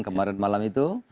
kemarin malam itu